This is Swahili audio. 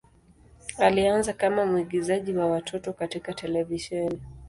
Alianza kama mwigizaji wa watoto katika televisheni.